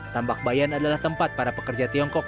tambak bayan adalah tempat para pekerja tiongkok